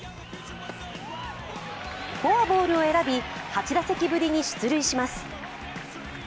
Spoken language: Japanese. フォアボールを選び、８打席ぶりに出塁します。